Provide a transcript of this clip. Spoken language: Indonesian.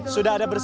sudah ada berita